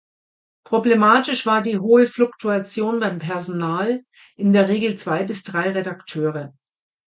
Problematisch war die hohe Fluktuation beim Personal (in der Regel zwei bis drei Redakteure).